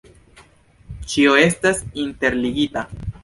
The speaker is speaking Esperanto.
Ĉio estas interligita.